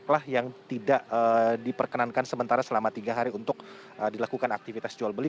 inilah yang tidak diperkenankan sementara selama tiga hari untuk dilakukan aktivitas jual beli